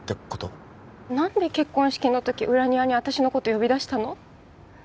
なんで結婚式の時裏庭に私の事呼び出したの？